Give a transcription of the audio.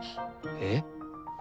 えっ？